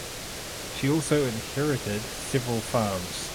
She also inherited several farms.